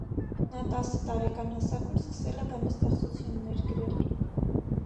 Նա տասը տարեկան հասակում սկսել է բանաստեղծություններ գրել։